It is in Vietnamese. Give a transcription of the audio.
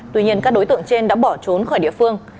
tuy nhiên các đối tượng trên đã bỏ trốn khỏi địa phương